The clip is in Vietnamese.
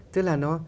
tức là nó